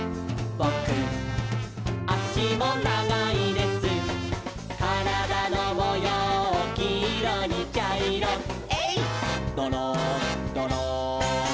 「ぼくあしもながいです」「からだのもようきいろにちゃいろ」「えいっどろんどろん」